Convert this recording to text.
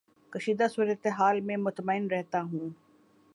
کشیدہ صورت حال میں مطمئن رہتا ہوں